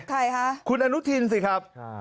ใครคะคุณอนุทินสิครับ